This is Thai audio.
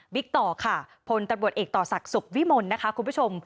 วิกตอค์ผนตำรวจเอกต่อสักศุกร์วิมนตร์คุณผู้ชม